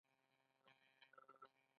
يخني فصلونه له منځه وړي.